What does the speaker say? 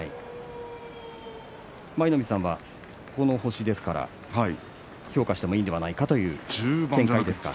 舞の海さんは、この星ですから評価してもいいのではないかというところですか。